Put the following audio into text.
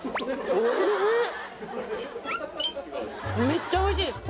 めっちゃおいしいです